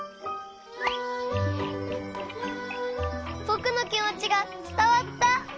ぼくのきもちがつたわった！